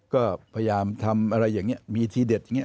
ก็พยายามทำอะไรอย่างนี้มีทีเด็ดอย่างนี้